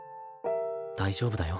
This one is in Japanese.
大丈夫だよ。